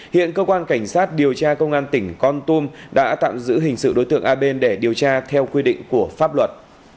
hiện cơ quan cảnh sát điều tra công an tỉnh con tum đã tạm giữ hình sự đối tượng a bên để điều tra theo quy định của pháp luật